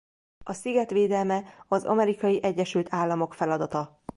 A sziget védelme az Amerikai Egyesült Államok feladata.